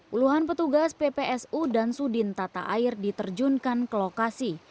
puluhan petugas ppsu dan sudin tata air diterjunkan ke lokasi